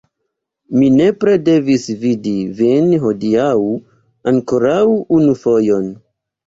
Mi nepre devis vidi vin hodiaŭ ankoraŭ unu fojon.